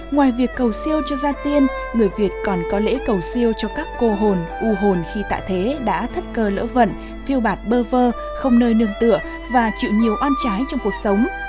ngoài việc cầu siêu cho gia tiên người việt còn có lễ cầu siêu cho các cô hồn u hồn khi tạ thế đã thất cơ lỡ vận phiêu bạt bơ vơ không nơi nương tựa và chịu nhiều on trái trong cuộc sống